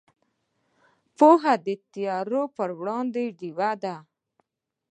پوهه د تیارو پر وړاندې ډیوه ده.